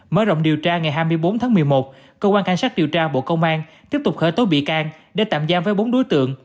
mở rộng điều tra ngày hai mươi bốn tháng một mươi một cơ quan cảnh sát điều tra bộ công an tiếp tục khởi tố bị can để tạm giam với bốn đối tượng